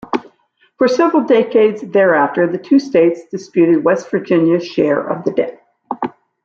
For several decades thereafter, the two states disputed West Virginia's share of the debt.